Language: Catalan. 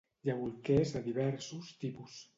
Hi ha bolquers de diversos tipus.